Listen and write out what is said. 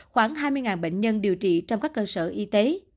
khoảng hai mươi bệnh nhân điều trị trong các cơ sở y tế